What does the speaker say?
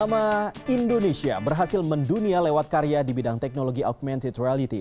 nama indonesia berhasil mendunia lewat karya di bidang teknologi augmented reality